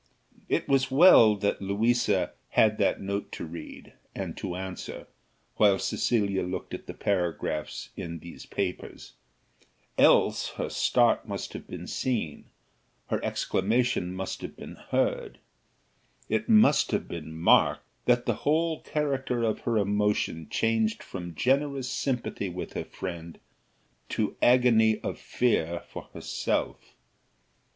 It was well that Louisa had that note to read, and to answer, while Cecilia looked at the paragraphs in these papers; else her start must have been seen, her exclamation must have been heard: it must have been marked, that the whole character of her emotion changed from generous sympathy with her friend, to agony of fear for herself.